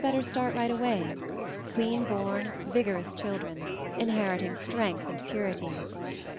better start right away — clean born, vigor ous children, inheriting strength and purity.